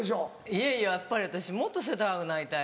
いやいややっぱり私もっと背高くなりたいです。